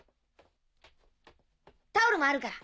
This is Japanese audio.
タオルもあるから。